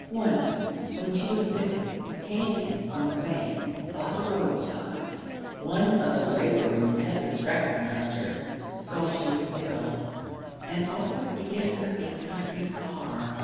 Once when she was sitting, panting on the bank by the road side, one of the labouring peasants recognised her saw she was ill and offered to get her a country car.